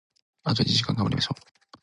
あと一時間、頑張りましょう！